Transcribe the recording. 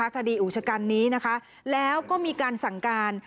ขดีอุจจัดการณ์นี้แล้วก็มีการสั่งการ